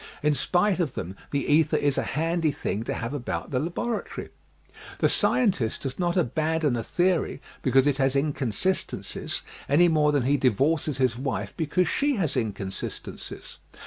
In spite of them the ether is a handy thing to have about the laboratory. The scientist does not abandon a theory because it has inconsistencies any more than he di vorces his wife because she has inconsistencies.